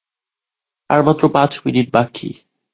আর মাত্র পাঁচ মিনিট বাকি।